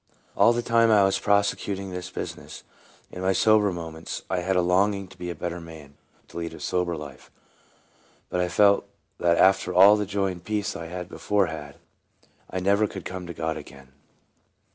All the time I was prosecuting this busi ness, in my sober moments I had a longing to be a better man, to lead a sober life; but I felt that after all the joy and peace I had be fore had, I never could come to God again.